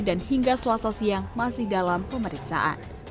hingga selasa siang masih dalam pemeriksaan